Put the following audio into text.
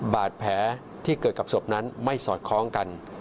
บาดแผลที่เกิดกับศพนั้นไม่สอดคล้องกัน